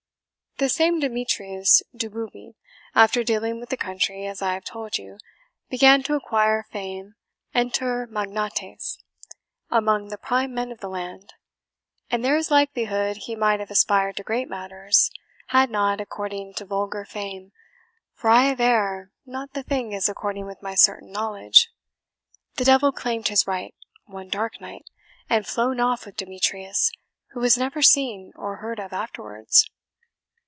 This same Demetrius Doboobie, after dealing with the country, as I have told you, began to acquire fame INTER MAGNATES, among the prime men of the land, and there is likelihood he might have aspired to great matters, had not, according to vulgar fame (for I aver not the thing as according with my certain knowledge), the devil claimed his right, one dark night, and flown off with Demetrius, who was never seen or heard of afterwards.